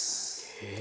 へえ。